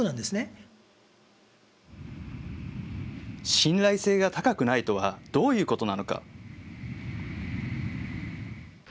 信頼性が高くないとは、どういうことなのか。